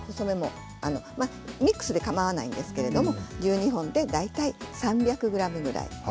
ミックスでかまわないんですけれども１２本で大体３００ｇぐらい。